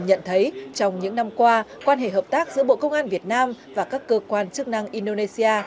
nhận thấy trong những năm qua quan hệ hợp tác giữa bộ công an việt nam và các cơ quan chức năng indonesia